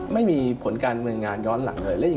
ไม่มีผลการเมืองงานย้อนหลังเลย